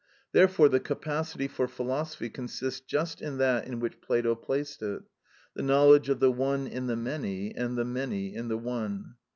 Therefore the capacity for philosophy consists just in that in which Plato placed it, the knowledge of the one in the many, and the many in the one.